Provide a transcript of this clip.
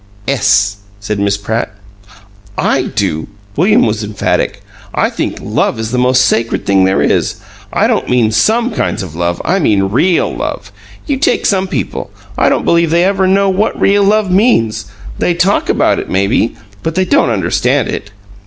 "Ess," said Miss Pratt. "I do!" William was emphatic. "I think love is the most sacred thing there is. I don't mean SOME kinds of love. I mean REAL love. You take some people, I don't believe they ever know what real love means. They TALK about it, maybe, but they don't understand it.